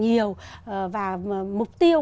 nhiều và mục tiêu